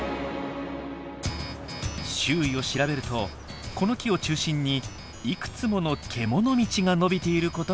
周囲を調べるとこの木を中心にいくつもの獣道が伸びていることが分かりました。